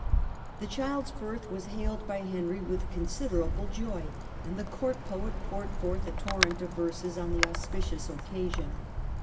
The child's birth was hailed by Henry with consider able joy and the court poet poured forth a torrent of verses on the auspicious occasion.